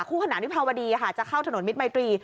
คู่ขนานวิภาวดีค่ะจะเข้าถนนมิตรมัยตรี